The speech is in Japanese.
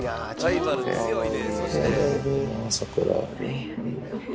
ライバル強いねそして。